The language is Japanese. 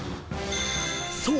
［そう！